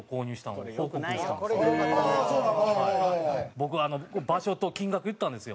僕、場所と金額言ったんですよ。